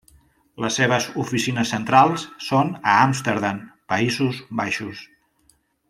Les seves oficines centrals són a Amsterdam, Països Baixos.